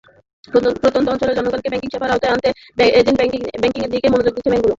প্রত্যন্ত অঞ্চলের জনগণকে ব্যাংকিং সেবার আওতায় আনতে এজেন্ট ব্যাংকিংয়ের দিকেও মনোযোগ দিচ্ছে ব্যাংকগুলো।